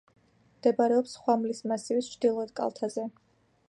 მდებარეობს ხვამლის მასივის ჩრდილოეთ კალთაზე.